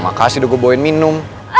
makasih udah gue bawain minum